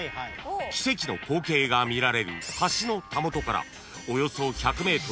奇跡の光景が見られる橋のたもとからおよそ１００ｍ。